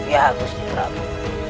ya gusti prabu